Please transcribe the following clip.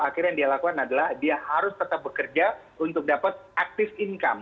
akhirnya yang dia lakukan adalah dia harus tetap bekerja untuk dapat active income